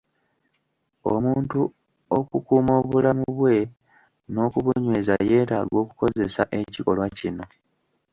Omuntu okukuuma obulamu bwe n'okubunyweza, yeetaaga okukozesa ekikolwa kino.